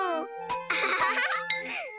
アハハハハ！